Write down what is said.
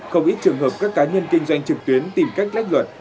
không ít trường hợp các cá nhân kinh doanh trực tuyến tìm cách lách luật